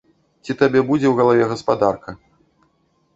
Ці табе будзе ў галаве гаспадарка?